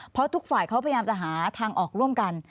เพราะทุกฝ่ายเขาพยายามจะหาทางออกร่วมกัน